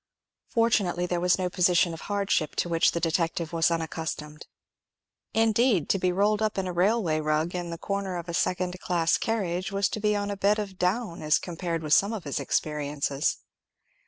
Fortunately there was no position of hardship to which the detective was unaccustomed; indeed, to be rolled up in a railway rug in the corner of a second class carriage, was to be on a bed of down as compared with some of his experiences.